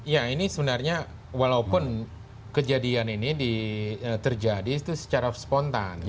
ya ini sebenarnya walaupun kejadian ini terjadi itu secara spontan